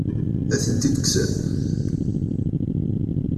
Ad tent-id-kksen?